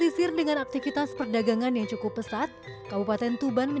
sinti tihir mari allah kan ditaman